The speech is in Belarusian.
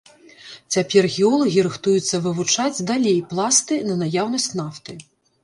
Цяпер геолагі рыхтуюцца вывучаць далей пласты на наяўнасць нафты.